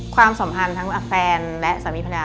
ความสัมพันธ์ทั้งแฟนและสามีภรรยา